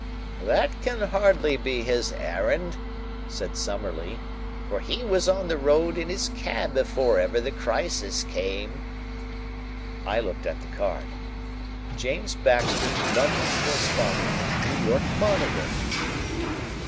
"That can hardly be his errand," said Summerlee, "for he was on the road in his cab before ever the crisis came." I looked at the card: "James Baxter, London Correspondent, New York Monitor."